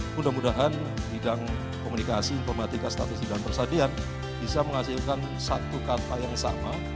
mudah mudahan bidang komunikasi informatika statistik dan persadian bisa menghasilkan satu kata yang sama